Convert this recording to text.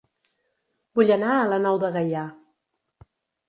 Vull anar a La Nou de Gaià